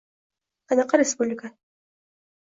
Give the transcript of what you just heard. — Qanaqa respublika?